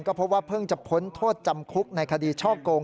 ก็พบว่าเพิ่งจะพ้นโทษจำคลุกในคดีช่อกลง